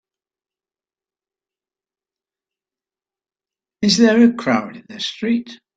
Is there a crowd in the street?